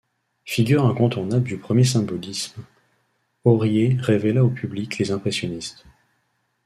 Figure incontournable du premier symbolisme, Aurier révéla au public les impressionnistes.